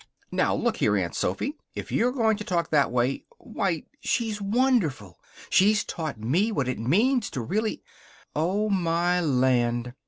"Now, look here, Aunt Sophy! If you're going to talk that way Why, she's wonderful. She's taught me what it means to really " "Oh, my land!"